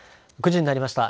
９時になりました。